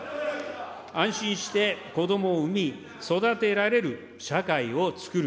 安心してこどもを産み、育てられる社会を創る。